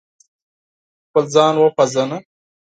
خپل ځان و پېژنه